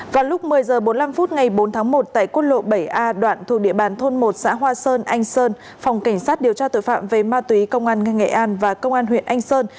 vào lúc một mươi h bốn mươi năm phút ngày bốn tháng một tại quốc lộ bảy a đoạn thuộc địa bàn thôn một xã hoa sơn anh sơn phòng cảnh sát điều tra tội phạm về ma túy công an nghệ an và công an huyện anh sơn